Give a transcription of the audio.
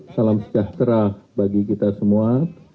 salam sejahtera bagi kita semua